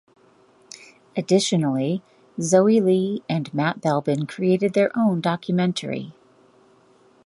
Additionally Zoey Lee and Matt Belbin created their own documentary.